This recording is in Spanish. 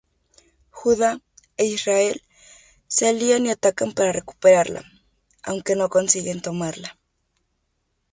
Judá e Israel se alían y atacan para recuperarla, aunque no consiguen tomarla.